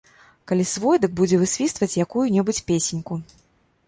Калі свой, дык будзе высвістваць якую-небудзь песеньку.